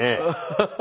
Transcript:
ハハハ。